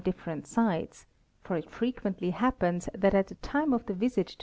different sides, for it frequently happens that at the time of the visit to